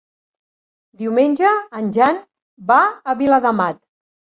Diumenge en Jan va a Viladamat.